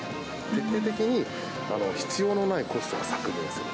徹底的に必要のないコストは削減する。